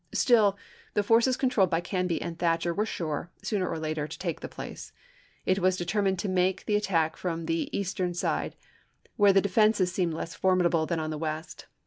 Still, the forces controlled by Canby and Thatcher were sure, sooner or later, to take the place. It was determined to make the attack from the eastern side 2^0 ABKAHAM LINCOLN chap. x. where the defenses seemed less formidable than on the west.